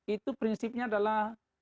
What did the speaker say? itu prinsipnya adalah